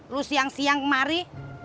lu siang siang kemari